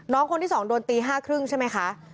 น้องคนที่๒โดนตี๕๓๐ใช่ไหมคะ